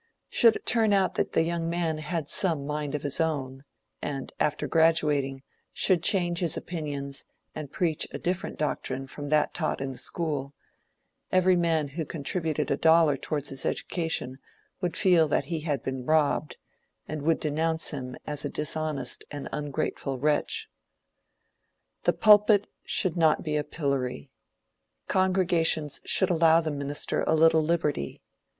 Should it turn out that the young man had some mind of his own, and, after graduating, should change his opinions and preach a different doctrine from that taught in the school, every man who contributed a dollar towards his education would feel that he had been robbed, and would denounce him as a dishonest and ungrateful wretch. The pulpit should not be a pillory. Congregations should allow the minister a little liberty.